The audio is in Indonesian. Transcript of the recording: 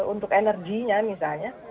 untuk energinya misalnya